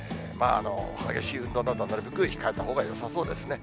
激しい運動などはなるべく控えたほうがよさそうですね。